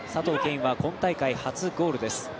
允は今大会初ゴールです。